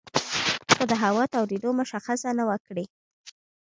خو د هوا تودېدو مشخصه نه وه کړې